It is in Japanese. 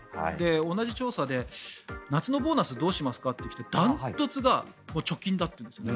同じ調査で夏のボーナスどうしますかって聞いて断トツが貯金だったんです。